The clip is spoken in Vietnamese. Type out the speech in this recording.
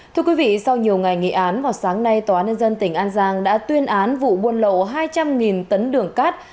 thưa quý vị sau nhiều ngày nghị án vào sáng nay tòa nhân dân tỉnh an giang đã tuyên án vụ buôn lậu hai trăm linh tấn đường cát